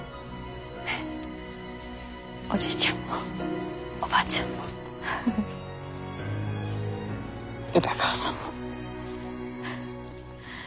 おじいちゃんもおばあちゃんも宇田川さんも。